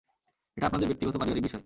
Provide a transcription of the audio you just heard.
এটা আপনাদের ব্যক্তিগত পারিবারিক বিষয়।